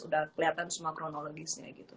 sudah kelihatan semua kronologisnya gitu